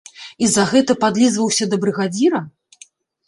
І за гэта падлізваўся да брыгадзіра?